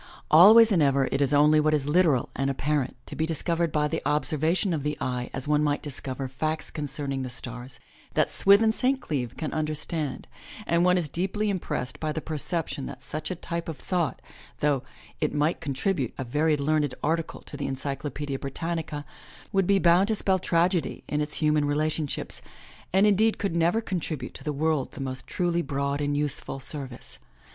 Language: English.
Always and ever it is only what is hteral and apparent, to be discovered by the observation of the eye as one might discover facts concerning the stars, that Swithin St. Cleeve can understand, and one is deeply impressed by the perception that such a type of thought, though it might contribute a very learned article to the Encyclopedia Britannica, would be bound to spell tragedy in its himian relationships, and indeed could never contribute to the world the most truly broad and useful service.